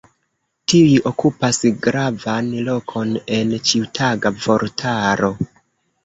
Tiuj okupas gravan lokon en ĉiutaga vortaro.